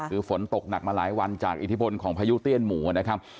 คือฝนตกหนักมาหลายวันจากอิทธิพลของพายุเตี้ยนหมูนะครับ